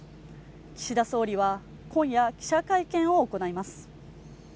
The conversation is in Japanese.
岸田総理は今夜記者会見を行います